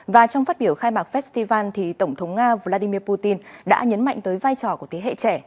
và trong phát biểu khai mạc festival thì tổng thống nga vladimir putin đã nhấn mạnh tới vai trò của thế hệ trẻ